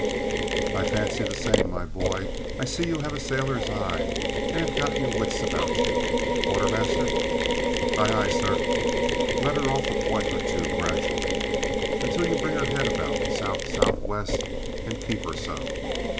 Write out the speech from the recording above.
"I fancy the same, my boy. I see you have a sailor's eye and have got your wits about you. Quartermaster?" "Aye, aye, sir?" "Let her off a point or two gradually until you bring her head about sou' sou' west, and keep her so."